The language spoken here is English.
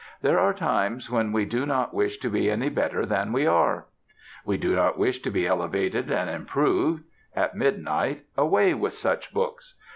There are times when we do not wish to be any better than we are. We do not wish to be elevated and improved. At midnight, away with such books!